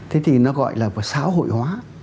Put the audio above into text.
thế thì nó gọi là xã hội hóa